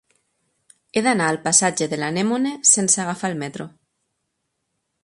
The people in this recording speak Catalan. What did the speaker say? He d'anar al passatge de l'Anemone sense agafar el metro.